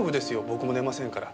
僕も寝ませんから。